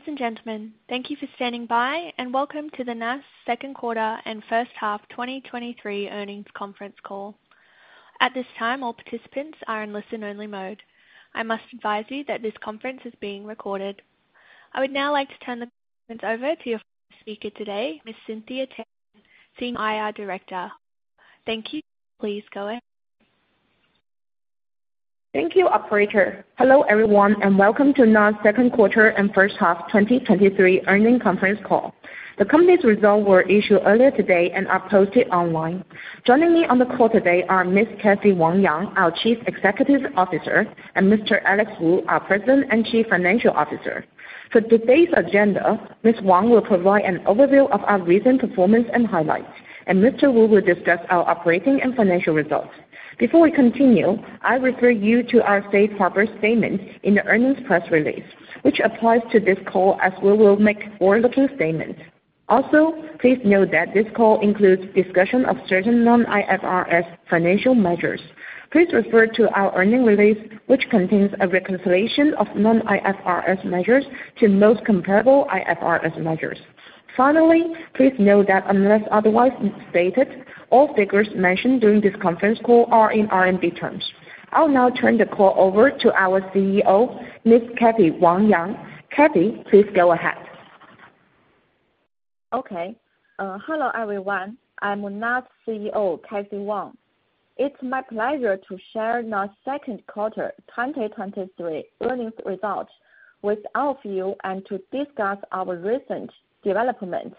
Ladies and gentlemen, thank you for standing by, and welcome to the NaaS Q2 and first half 2023 earnings conference call. At this time, all participants are in listen-only mode. I must advise you that this conference is being recorded. I would now like to turn the conference over to your speaker today, Ms. Cynthia Tan, Senior IR Director. Thank you. Please go ahead. Thank you, operator. Hello, everyone, and welcome to NaaS Q2 and first half 2023 earnings conference call. The company's results were issued earlier today and are posted online. Joining me on the call today are Ms. Cathy Wang Yang, our Chief Executive Officer, and Mr. Alex Wu, our President and Chief Financial Officer. For today's agenda, Ms. Wang will provide an overview of our recent performance and highlights, and Mr. Wu will discuss our operating and financial results. Before we continue, I refer you to our safe harbor statement in the earnings press release, which applies to this call as we will make forward-looking statements. Also, please note that this call includes discussion of certain non-IFRS financial measures. Please refer to our earnings release, which contains a reconciliation of non-IFRS measures to most comparable IFRS measures. Finally, please note that unless otherwise stated, all figures mentioned during this conference call are in RMB terms. I'll now turn the call over to our CEO, Ms. Cathy Wang Yang. Cathy, please go ahead. Okay. Hello, everyone. I'm NaaS CEO, Cathy Wang. It's my pleasure to share NaaS Q2 2023 earnings results with all of you and to discuss our recent development.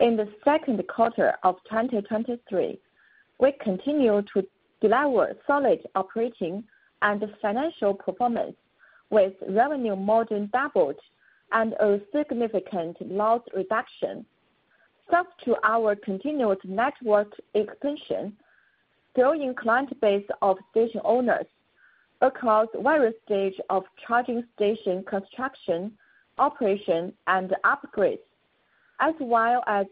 In the Q2 of 2023, we continued to deliver solid operating and financial performance, with revenue more than doubled and a significant loss reduction. Thanks to our continued network expansion, growing client base of station owners across various stages of charging station construction, operation, and upgrades, as well as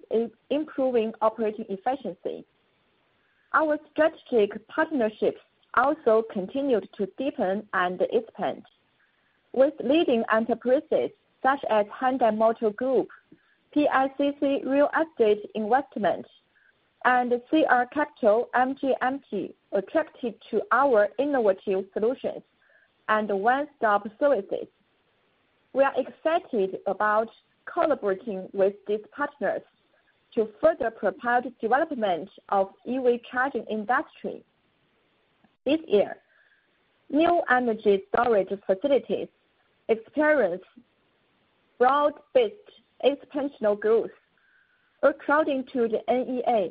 improving operating efficiency. Our strategic partnerships also continued to deepen and expand, with leading enterprises such as Hyundai Motor Group, PICC Real Estate Investment, and CR Capital Management attracted to our innovative solutions and one-stop services. We are excited about collaborating with these partners to further propel the development of EV charging industry. This year, new energy storage facilities experienced broad-based exponential growth. According to the NEA,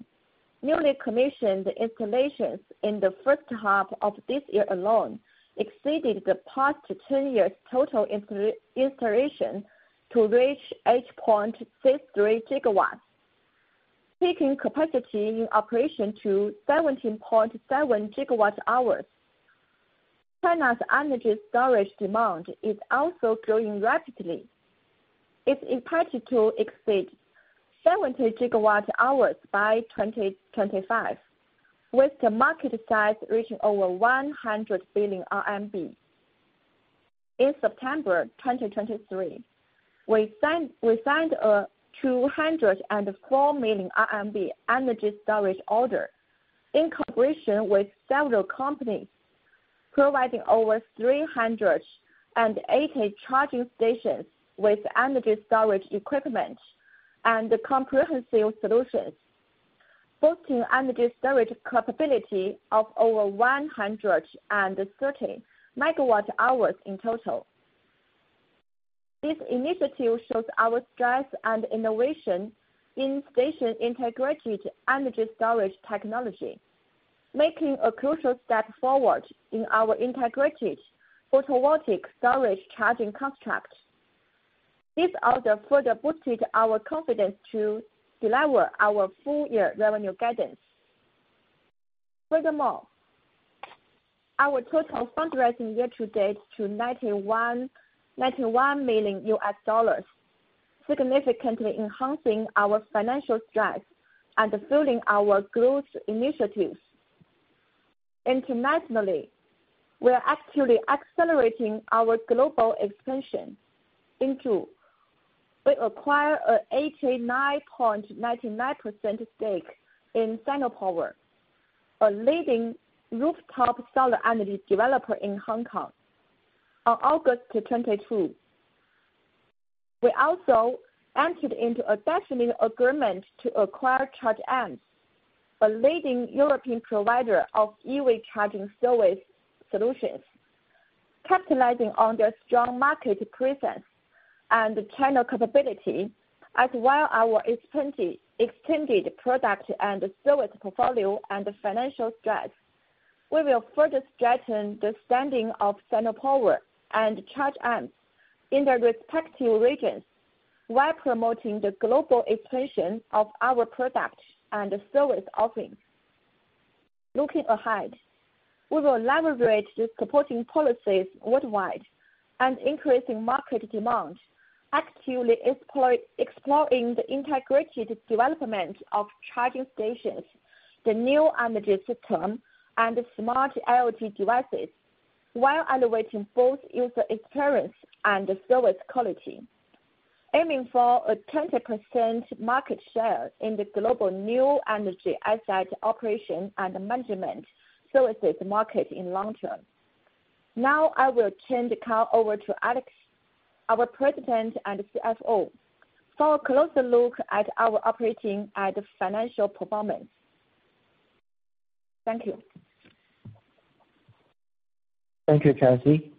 newly commissioned installations in the first half of this year alone exceeded the past ten years' total installation to reach 8.63 GW, taking capacity in operation to 17.7 GWh. China's energy storage demand is also growing rapidly. It's expected to exceed 70 GWh by 2025, with the market size reaching over 100 billion RMB. In September 2023, we signed a 204 million RMB energy storage order in cooperation with several companies, providing over 380 charging stations with energy storage equipment and comprehensive solutions, boosting energy storage capability of over 130 MWh in total. This initiative shows our strength and innovation in station integrated energy storage technology, making a crucial step forward in our integrated photovoltaic storage charging contract. This order further boosted our confidence to deliver our full year revenue guidance. Furthermore, our total fundraising year to date to $91 million, significantly enhancing our financial strength and fueling our growth initiatives. Internationally, we are actively accelerating our global expansion into... We acquired a 89.99% stake in Sinopower, a leading rooftop solar energy developer in Hong Kong on 22 August. We also entered into a definitive agreement to acquire Charge Amps, a leading European provider of EV charging service solutions, capitalizing on their strong market presence and channel capability, as well as our extended product and service portfolio and financial strength. We will further strengthen the standing of Sinopower and Charge Amps in their respective regions, while promoting the global expansion of our products and service offerings. Looking ahead, we will leverage the supporting policies worldwide and increasing market demand, actively exploring the integrated development of charging stations, the new energy system, and smart IoT devices, while elevating both user experience and service quality, aiming for a 20% market share in the global new energy asset operation and management services market in the long term. Now I will turn the call over to Alex, our President and CFO, for a closer look at our operating and financial performance. Thank you. Thank you, Cathy.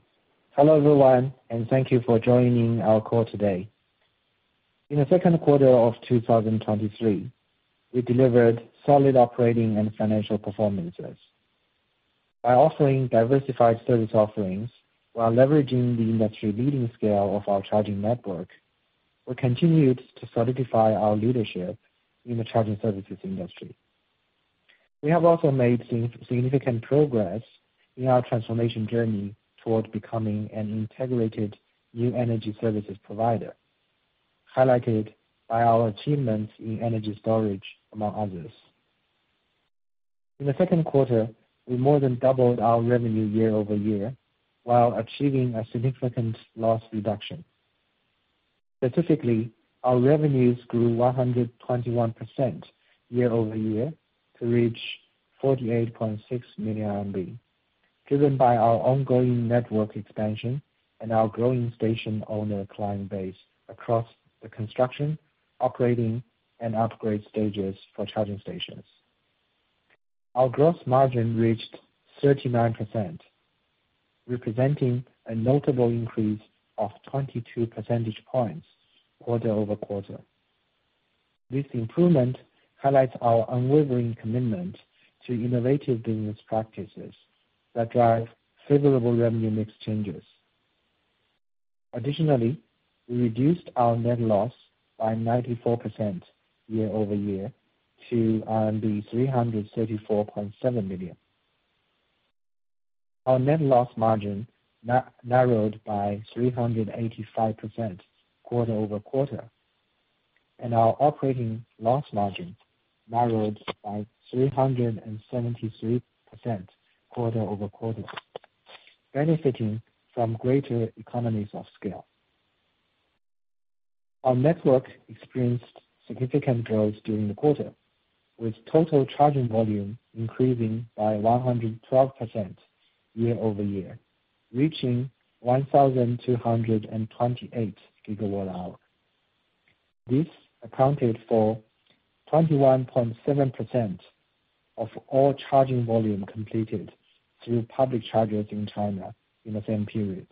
Hello, everyone, and thank you for joining our call today. In the Q2 of 2023, we delivered solid operating and financial performances. By offering diversified service offerings while leveraging the industry-leading scale of our charging network, we continued to solidify our leadership in the charging services industry. We have also made significant progress in our transformation journey towards becoming an integrated new energy services provider, highlighted by our achievements in energy storage, among others. In the Q2, we more than doubled our revenue year-over-year, while achieving a significant loss reduction. Specifically, our revenues grew 121% year-over-year, to reach 48.6 million RMB, driven by our ongoing network expansion and our growing station owner client base across the construction, operating, and upgrade stages for charging stations. Our gross margin reached 39%, representing a notable increase of 22 percentage points quarter-over-quarter. This improvement highlights our unwavering commitment to innovative business practices that drive favorable revenue mix changes. Additionally, we reduced our net loss by 94% year-over-year to 334.7 million. Our net loss margin narrowed by 385% quarter-over-quarter, and our operating loss margin narrowed by 373% quarter-over-quarter, benefiting from greater economies of scale. Our network experienced significant growth during the quarter, with total charging volume increasing by 112% year-over-year, reaching 1,228 gigawatt-hours. This accounted for 21.7% of all charging volume completed through public chargers in China in the same period.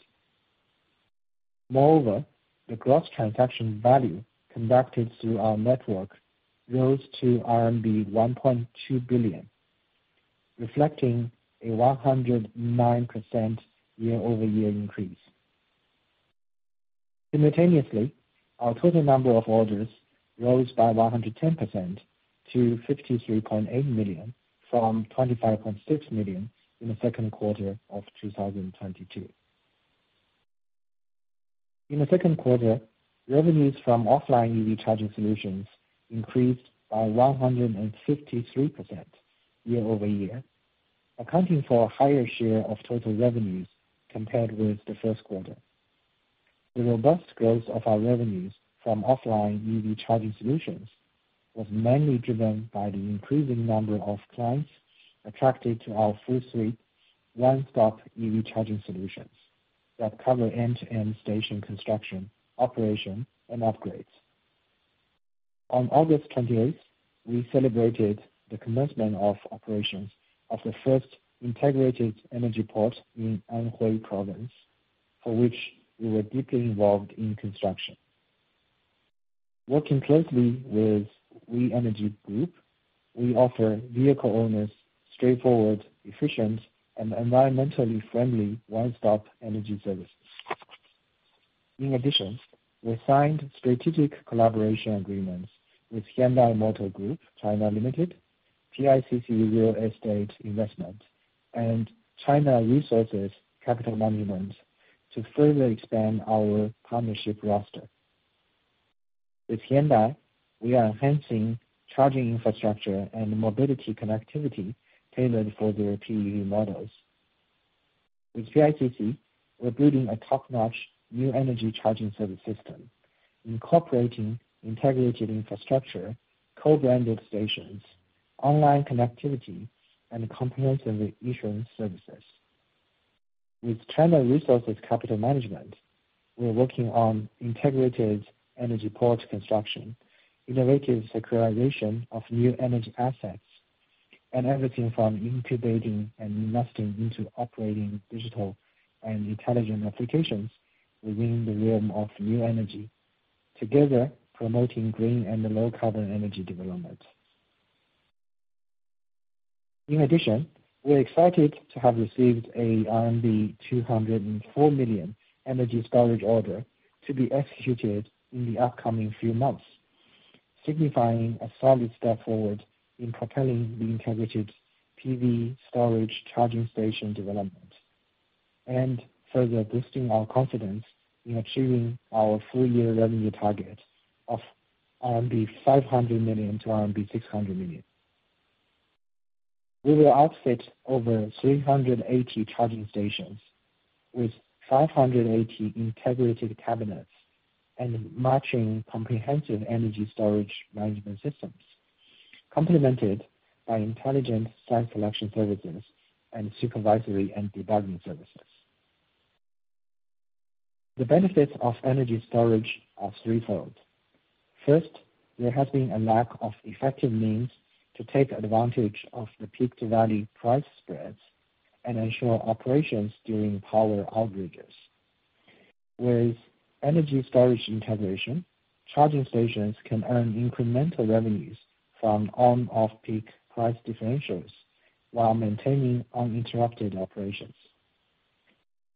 Moreover, the gross transaction value conducted through our network rose to RMB 1.2 billion, reflecting a 109% year-over-year increase. Simultaneously, our total number of orders rose by 110% to 53.8 million, from 25.6 million in the Q2 of 2022. In the Q2, revenues from offline EV charging solutions increased by 153% year-over-year, accounting for a higher share of total revenues compared with the Q1. The robust growth of our revenues from offline EV charging solutions was mainly driven by the increasing number of clients attracted to our full suite one-stop EV charging solutions that cover end-to-end station construction, operation, and upgrades. On 28 August, we celebrated the commencement of operations of the first integrated energy port in Anhui Province, for which we were deeply involved in construction. Working closely with Wenergy Group, we offer vehicle owners straightforward, efficient, and environmentally friendly one-stop energy services. In addition, we signed strategic collaboration agreements with Hyundai Motor Group China Limited, PICC Real Estate Investment, and China Resources Capital Management to further expand our partnership roster. With Hyundai, we are enhancing charging infrastructure and mobility connectivity tailored for their PEV models. With PICC, we're building a top-notch new energy charging service system, incorporating integrated infrastructure, co-branded stations, online connectivity, and comprehensive insurance services. With China Resources Capital Management, we are working on integrated energy port construction, innovative securitization of new energy assets, and everything from incubating and investing into operating digital and intelligent applications within the realm of new energy, together promoting green and low carbon energy development. In addition, we're excited to have received a RMB 204 million energy storage order to be executed in the upcoming few months, signifying a solid step forward in propelling the integrated PV storage charging station development, and further boosting our confidence in achieving our full year revenue target of RMB 500 to 600 million... We will outfit over 380 charging stations with 580 integrated cabinets and matching comprehensive energy storage management systems, complemented by intelligent site selection services and supervisory and debugging services. The benefits of energy storage are threefold. First, there has been a lack of effective means to take advantage of the peak-to-valley price spreads and ensure operations during power outages. With energy storage integration, charging stations can earn incremental revenues from on-off peak price differentials while maintaining uninterrupted operations.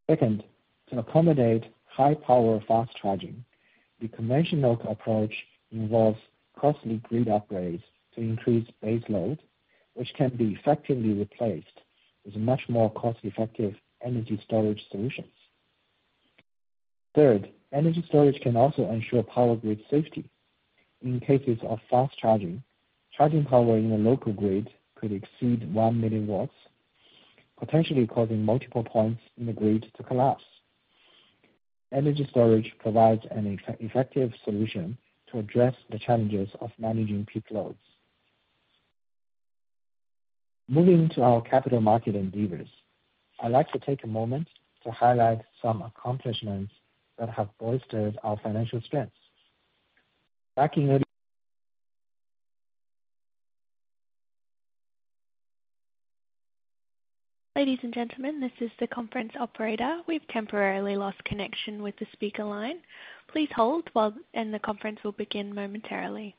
Second, to accommodate high power fast charging, the conventional approach involves costly grid upgrades to increase base load, which can be effectively replaced with much more cost-effective energy storage solutions. Third, energy storage can also ensure power grid safety. In cases of fast charging, charging power in a local grid could exceed 1 million watts, potentially causing multiple points in the grid to collapse. Energy storage provides an effective solution to address the challenges of managing peak loads. Moving to our capital market endeavors, I'd like to take a moment to highlight some accomplishments that have bolstered our financial strengths. Back in early- Ladies and gentlemen, this is the conference operator. We've temporarily lost connection with the speaker line. Please hold while, and the conference will begin momentarily.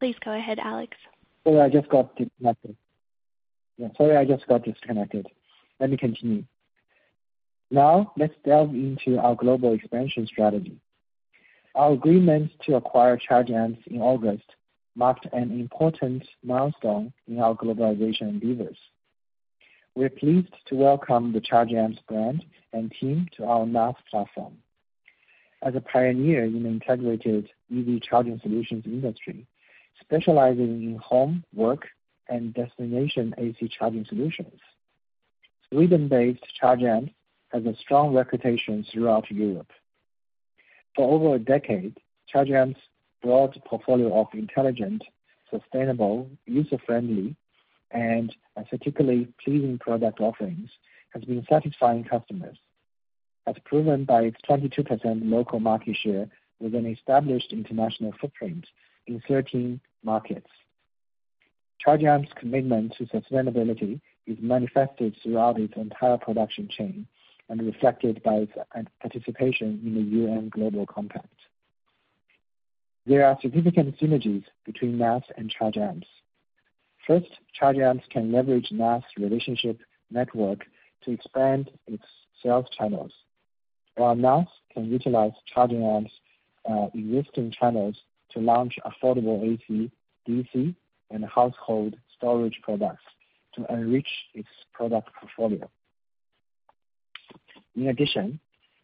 Please go ahead, Alex. Sorry, I just got disconnected. Yeah, sorry, I just got disconnected. Let me continue. Now, let's delve into our global expansion strategy. Our agreement to acquire Charge Amps in August marked an important milestone in our globalization endeavors. We are pleased to welcome the Charge Amps brand and team to our NaaS platform. As a pioneer in integrated EV charging solutions industry, specializing in home, work, and destination AC charging solutions, Sweden-based Charge Amps has a strong reputation throughout Europe. For over a decade, Charge Amps' broad portfolio of intelligent, sustainable, user-friendly and particularly pleasing product offerings has been satisfying customers, as proven by its 22% local market share with an established international footprint in 13 markets. Charge Amps' commitment to sustainability is manifested throughout its entire production chain and reflected by its participation in the UN Global Compact. There are significant synergies between NaaS and Charge Amps. First, Charge Amps can leverage NaaS' relationship network to expand its sales channels, while NaaS can utilize Charge Amps', existing channels to launch affordable AC, DC, and household storage products to enrich its product portfolio. In addition,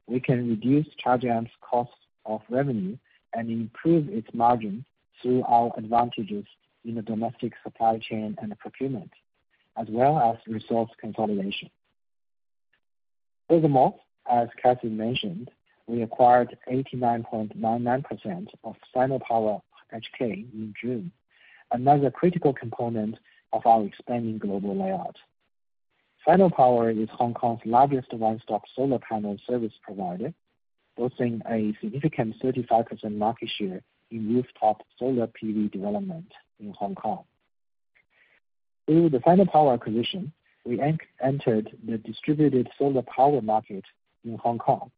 we can reduce Charge Amps' costs of revenue and improve its margin through our advantages in the domestic supply chain and procurement, as well as resource consolidation. Furthermore, as Cathy mentioned, we acquired 89.99% of Sinopower HK in June, another critical component of our expanding global layout. Sinopower is Hong Kong's largest one-stop solar panel service provider, boasting a significant 35% market share in rooftop solar PV development in Hong Kong. Through the Sinopower acquisition, we entered the distributed solar power market in Hong Kong,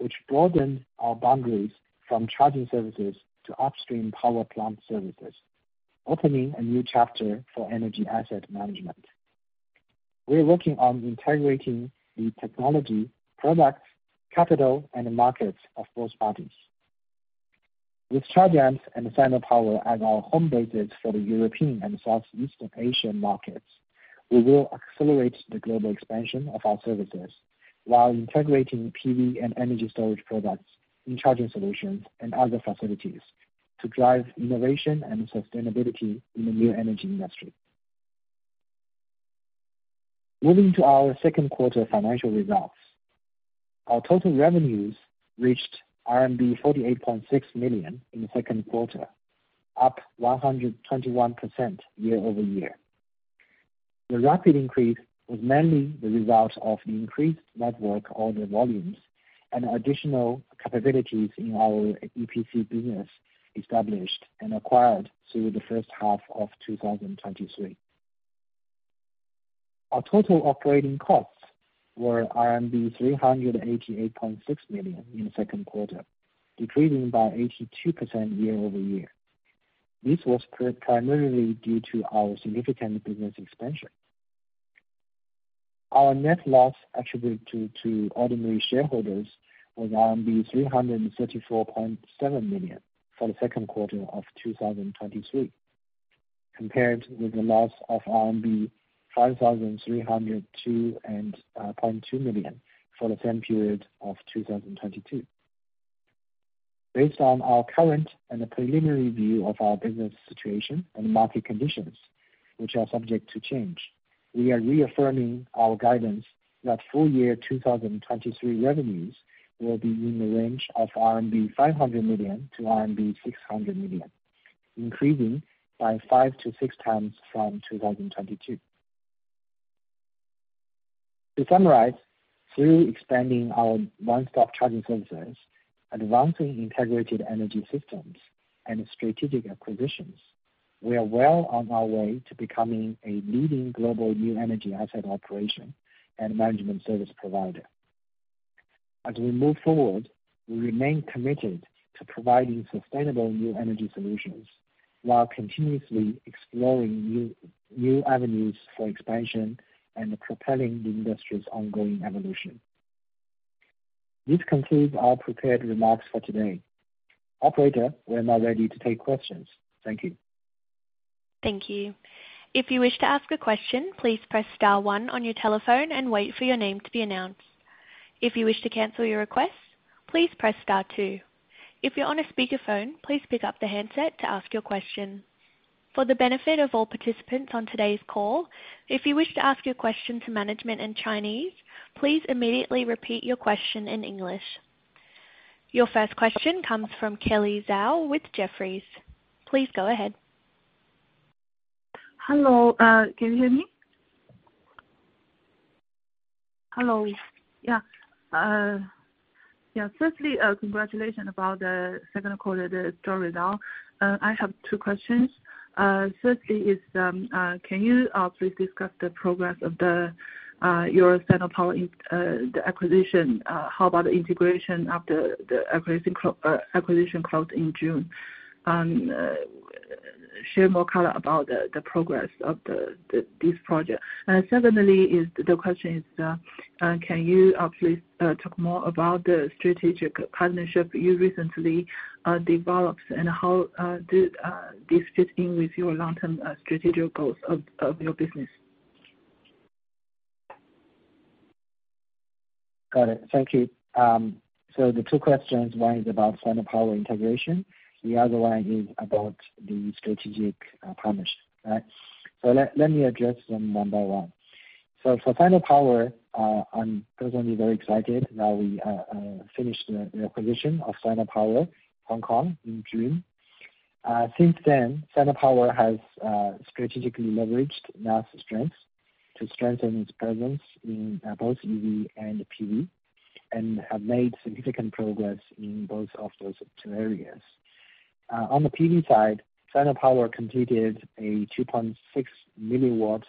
which broadened our boundaries from charging services to upstream power plant services, opening a new chapter for energy asset management. We are working on integrating the technology, products, capital, and the markets of both parties. With Charge Amps and Sinopower as our home bases for the European and Southeast Asian markets, we will accelerate the global expansion of our services while integrating PV and energy storage products in charging solutions and other facilities to drive innovation and sustainability in the new energy industry. Moving to our Q2 financial results. Our total revenues reached RMB 48.6 million in the Q2, up 121% year-over-year. The rapid increase was mainly the result of the increased network order volumes and additional capabilities in our EPC business established and acquired through the first half of 2023. Our total operating costs were RMB 388.6 million in the Q2, decreasing by 82% year-over-year. This was primarily due to our significant business expansion. Our net loss attributed to ordinary shareholders was RMB 334.7 million for the Q2 of 2023, compared with a loss of RMB 5,302.2 million for the same period of 2022. Based on our current and the preliminary view of our business situation and market conditions, which are subject to change, we are reaffirming our guidance that full year 2023 revenues will be in the range of RMB 500 to 600 million, increasing by 5 to 6x from 2022. To summarize, through expanding our one-stop charging services, advancing integrated energy systems, and strategic acquisitions, we are well on our way to becoming a leading global new energy asset operation and management service provider. As we move forward, we remain committed to providing sustainable new energy solutions, while continuously exploring new avenues for expansion and propelling the industry's ongoing evolution. This concludes our prepared remarks for today. Operator, we're now ready to take questions. Thank you. Thank you. If you wish to ask a question, please press star one on your telephone and wait for your name to be announced. If you wish to cancel your request, please press star two. If you're on a speakerphone, please pick up the handset to ask your question. For the benefit of all participants on today's call, if you wish to ask your question to management in Chinese, please immediately repeat your question in English. Your first question comes from Kelly Zou with Jefferies. Please go ahead. Hello, can you hear me? Hello. Yeah, yeah, firstly, congratulations about the Q2, the strong result. I have two questions. Firstly is, can you please discuss the progress of your Sinopower in the acquisition? How about the integration after the acquisition closed in June? And, share more color about the progress of this project. And secondly, the question is, can you please talk more about the strategic partnership you recently developed, and how did this fit in with your long-term strategic goals of your business? Got it. Thank you. So the two questions, one is about Sinopower integration, the other one is about the strategic partnership, right? So let me address them one by one. So for Sinopower, I'm personally very excited now we finished the acquisition of Sinopower Hong Kong in June. Since then, Sinopower has strategically leveraged NaaS's strengths to strengthen its presence in both EV and PV, and have made significant progress in both of those two areas. On the PV side, Sinopower completed a 2.6 million watts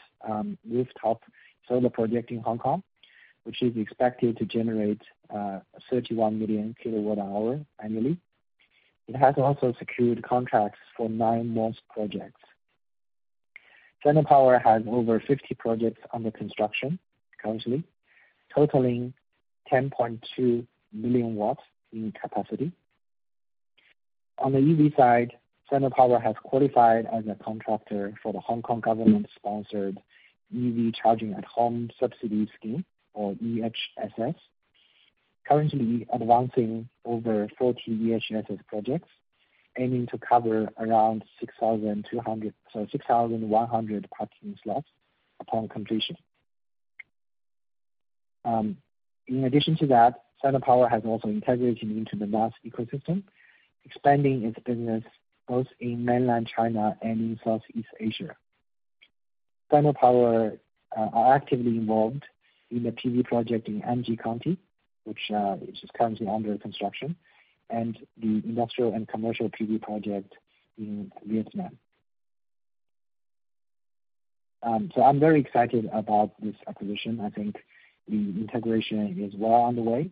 rooftop solar project in Hong Kong, which is expected to generate 31 million kWh annually. It has also secured contracts for nine more projects. Sinopower has over 50 projects under construction currently, totaling 10.2 million watts in capacity. On the EV side, Sinopower has qualified as a contractor for the Hong Kong government-sponsored EV Charging at Home subsidy scheme, or EHSS. Currently advancing over 40 EHSS projects, aiming to cover around 6,100 parking slots upon completion. In addition to that, Sinopower has also integrated into the NaaS ecosystem, expanding its business both in mainland China and in Southeast Asia. Sinopower are actively involved in the PV project in Anji County, which is currently under construction, and the industrial and commercial PV project in Vietnam. So I'm very excited about this acquisition. I think the integration is well on the way,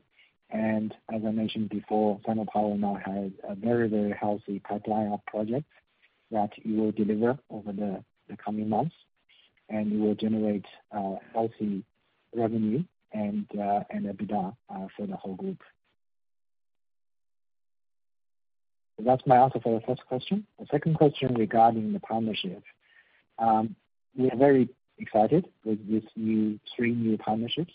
and as I mentioned before, Sinopower now has a very, very healthy pipeline of projects that it will deliver over the coming months, and will generate healthy revenue and EBITDA for the whole group. So that's my answer for the first question. The second question regarding the partnership. We are very excited with these three new partnerships.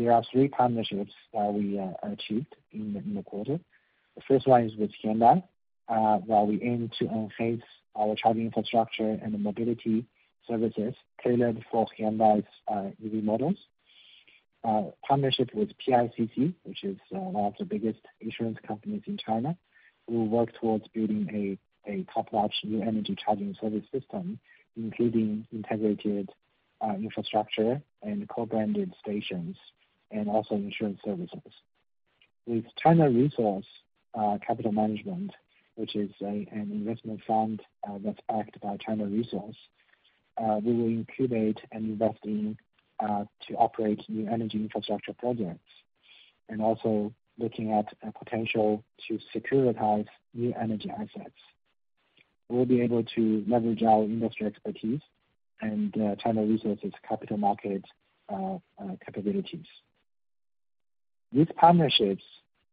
There are three partnerships that we achieved in the quarter. The first one is with Hyundai, where we aim to enhance our charging infrastructure and the mobility services tailored for Hyundai's EV models. Partnership with PICC, which is one of the biggest insurance companies in China. We will work towards building a top-notch new energy charging service system, including integrated infrastructure and co-branded stations, and also insurance services. With China Resources Capital Management, which is an investment fund that's backed by China Resources, we will incubate and invest in to operate new energy infrastructure projects, and also looking at a potential to securitize new energy assets. We'll be able to leverage our industry expertise and China Resources' capital market capabilities. These partnerships,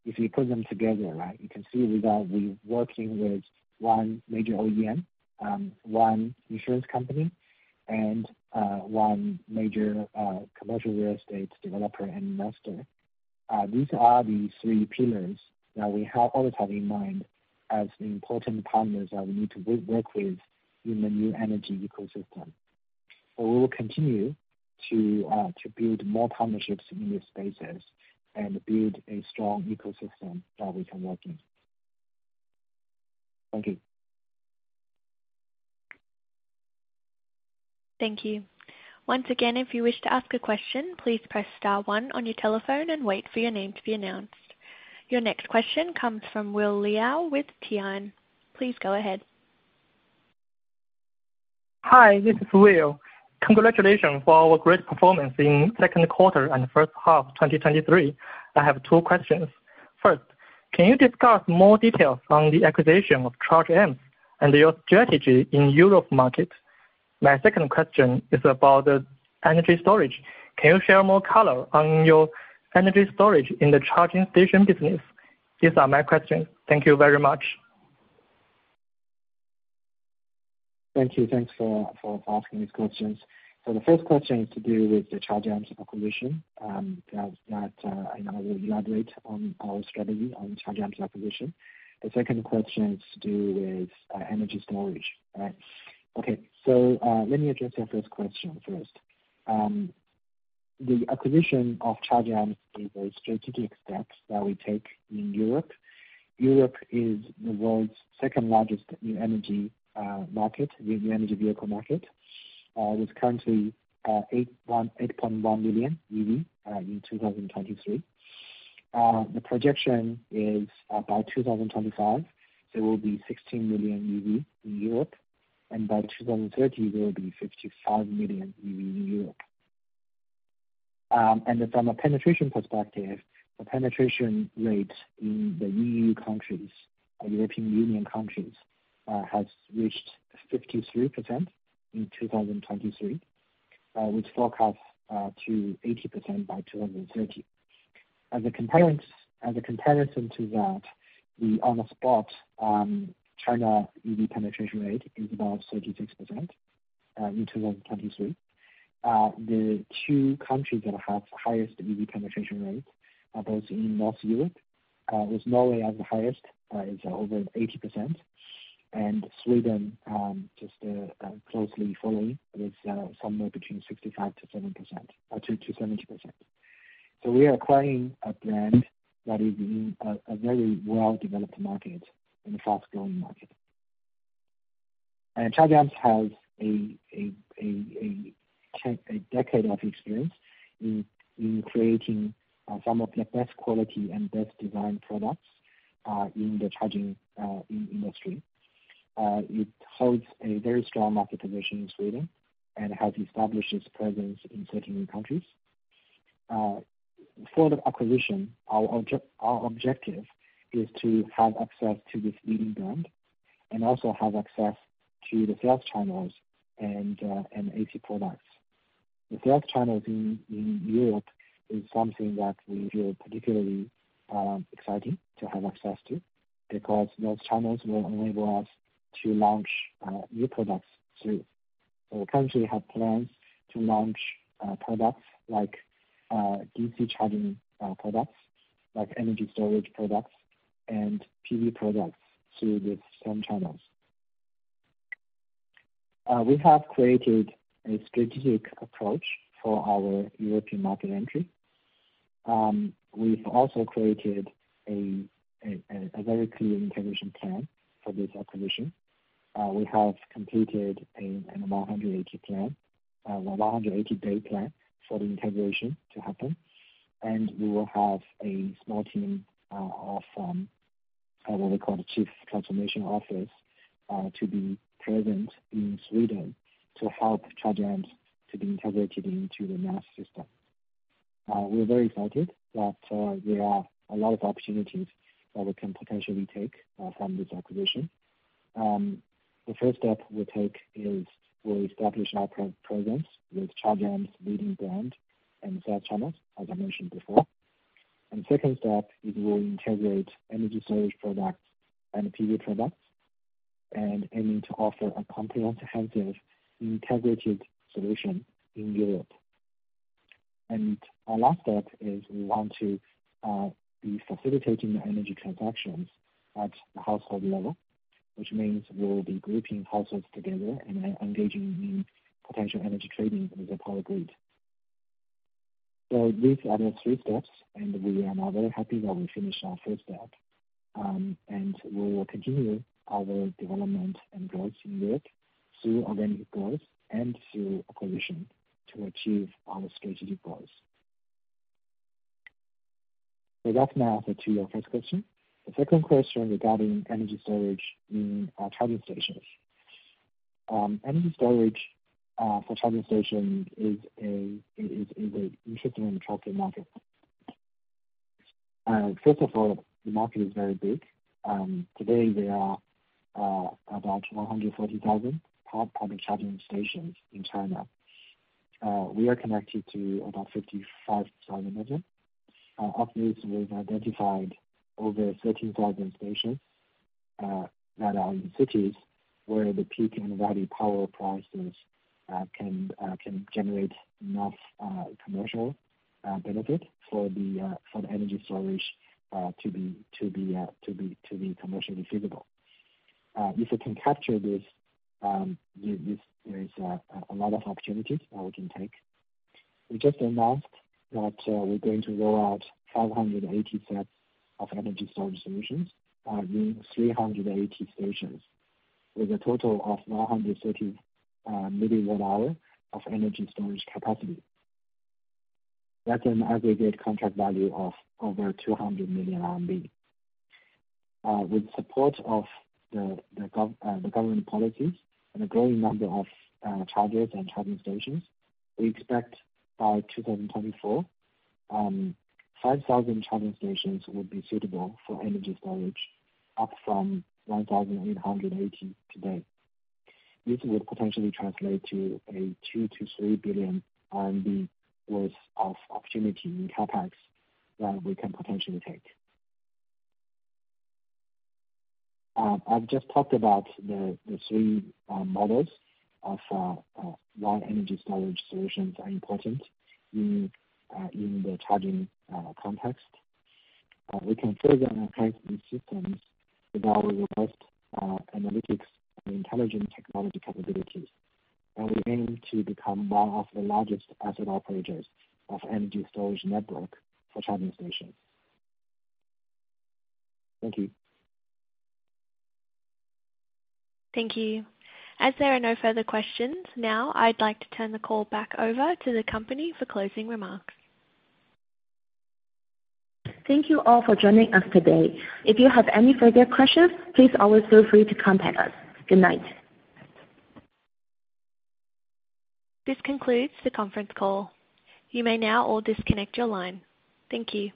if you put them together, right, you can see that we're working with one major OEM, one insurance company, and one major commercial real estate developer and investor. These are the three pillars that we have all the time in mind as the important partners that we need to work with in the new energy ecosystem. But we will continue to build more partnerships in these spaces, and build a strong ecosystem that we can work in. Thank you. Thank you. Once again, if you wish to ask a question, please press star one on your telephone and wait for your name to be announced. Your next question comes from Will Liao with Tian. Please go ahead. Hi, this is Will. Congratulations for our great performance in Q2 and first half 2023. I have two questions. First, can you discuss more details on the acquisition of Charge Amps and your strategy in European market? My second question is about the energy storage. Can you share more color on your energy storage in the charging station business? These are my questions. Thank you very much. Thank you. Thanks for asking these questions. So the first question is to do with the Charge Amps acquisition. I know I will elaborate on our strategy on Charge Amps's acquisition. The second question is to do with energy storage, right? Okay. So, let me address your first question first. The acquisition of Charge Amps is a strategic step that we take in Europe. Europe is the world's second largest new energy market, new energy vehicle market. There's currently 8.1 million EV in 2023. The projection is by 2025, there will be 16 million EV in Europe, and by 2030, there will be 55 million EV in Europe. And then from a penetration perspective, the penetration rate in the EU countries, the European Union countries, has reached 53% in 2023, which forecast to 80% by 2030. As a comparison, as a comparison to that, the on the spot, China EV penetration rate is about 36% in 2023. The two countries that have highest EV penetration rate are both in North Europe, with Norway as the highest, is over 80%, and Sweden, just, closely following with, somewhere between 65% to 70%. So we are acquiring a brand that is in a, a very well-developed market and a fast-growing market. Charge Amps has a decade of experience in creating some of the best quality and best design products in the charging industry. It holds a very strong market position in Sweden and has established its presence in 13 countries. For the acquisition, our objective is to have access to this leading brand, and also have access to the sales channels and AC products. The sales channels in Europe is something that we feel particularly exciting to have access to, because those channels will enable us to launch new products too. So we currently have plans to launch products like DC charging products, like energy storage products and PV products through the same channels. We have created a strategic approach for our European market entry. We've also created a very clear integration plan for this acquisition. We have completed a 180-day plan for the integration to happen, and we will have a small team what we call the Chief Transformation Office to be present in Sweden to help Charge Amps to be integrated into the NaaS system. We're very excited that there are a lot of opportunities that we can potentially take from this acquisition. The first step we'll take is we'll establish our programs with Charge Amps's leading brand and sales channels, as I mentioned before. Second step is we'll integrate energy storage products and PV products, and aiming to offer a comprehensive, integrated solution in Europe. Our last step is we want to be facilitating the energy transactions at the household level, which means we'll be grouping households together and engaging in potential energy trading with the power grid. So these are the three steps, and we are now very happy that we finished our first step. We will continue our development and growth in Europe through organic growth and through acquisition to achieve our strategic goals. So that's my answer to your first question. The second question regarding energy storage in charging stations. Energy storage for charging stations is an interesting and attractive market. First of all, the market is very big. Today there are about 140,000 public charging stations in China. We are connected to about 55,000 of them. Of these, we've identified over 13,000 stations that are in cities where the peak and valley power prices can generate enough commercial benefit for the energy storage to be commercially feasible. If we can capture this, there is a lot of opportunities that we can take. We just announced that we're going to roll out 580 sets of energy storage solutions in 380 stations, with a total of 930 milliwatt-hour of energy storage capacity. That's an aggregate contract value of over 200 million RMB. With support of the government policies and a growing number of chargers and charging stations, we expect by 2024, 5,000 charging stations will be suitable for energy storage, up from 1,880 today. This would potentially translate to a 2 to 3 billion worth of opportunity in CapEx that we can potentially take. I've just talked about the three models of why energy storage solutions are important in the charging context. We can further enhance these systems with our robust analytics and intelligent technology capabilities, and we aim to become one of the largest asset operators of energy storage network for charging stations. Thank you. Thank you. As there are no further questions, now, I'd like to turn the call back over to the company for closing remarks. Thank you all for joining us today. If you have any further questions, please always feel free to contact us. Good night. This concludes the conference call. You may now all disconnect your line. Thank you.